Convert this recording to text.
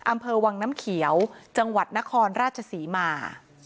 อำเภอวังน้ำเขียวจังหวัดนครราชศรีมา